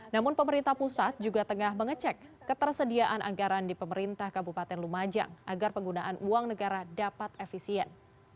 namun pemerintah pusat juga tengah mengecek ketersediaan anggaran di pemerintah kabupaten lumajang agar penggunaan uang negara dapat efisien